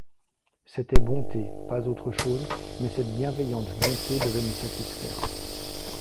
C'était bonté, pas autre chose, mais cette bienveillante bonté devait me satisfaire.